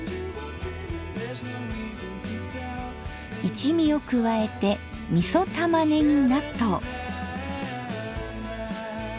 一味を加えてみそたまねぎ納豆。